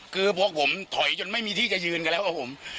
คือพวกผมถอยจนไม่มีที่จะยืนกันแล้วกับผม